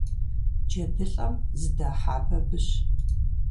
ДжэдылӀэм зыдахьа бабыщ.